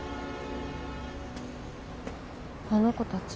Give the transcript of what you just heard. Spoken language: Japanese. あの子たち。